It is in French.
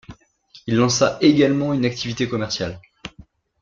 Il lança également une activité commerciale.